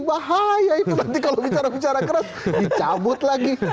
bahaya itu nanti kalau bicara bicara keras dicabut lagi